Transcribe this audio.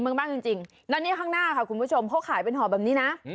เท่าใดทีนี้ข้างหน้าเพราะขายเป็นหอบแบบนี้